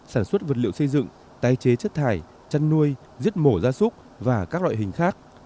sản xuất vật liệu xây dựng tái chế chất thải chăn nuôi giết mổ gia súc và các loại hình khác